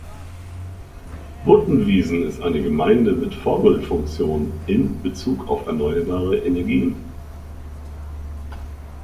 Buttenwiesen ist eine Gemeinde mit Vorbildfunktion in Bezug auf erneuerbare Energien.